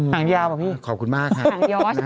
หางยาวเหรอพี่ขอบคุณมากค่ะหางยอส